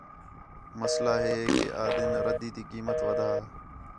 مسئلہ ہِے ہِے کہ آ دھن ردّی تی قیمت وَدھا